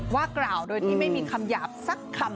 ว่ากล่าวโดยที่ไม่มีคำหยาบสักคำ